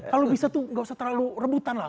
kalau bisa tuh gak usah terlalu rebutan lah